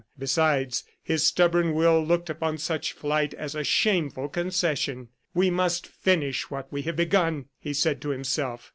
Besides, his stubborn will looked upon such flight as a shameful concession. "We must finish what we have begun!" he said to himself.